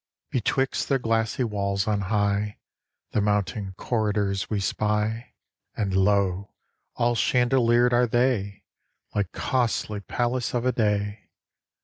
Betwixt their glassy walls on high The mountain corridors we spy, And lo! all chandeliered are they, Like costly palace of a day!